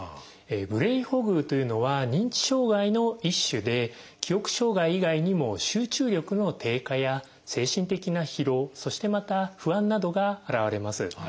ブレインフォグというのは認知障害の一種で記憶障害以外にも集中力の低下や精神的な疲労そしてまた不安などが現れます。